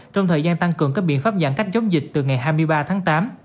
trong thời gian tăng cường các biện pháp giãn cách chống dịch từ ngày hai mươi ba tháng tám